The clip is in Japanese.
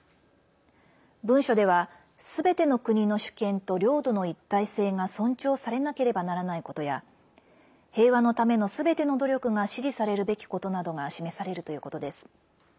文書では、すべての国の主権と領土の一体性が尊重されなければならないことや平和のためのすべての努力が支持されるべきことなどが示されるということです。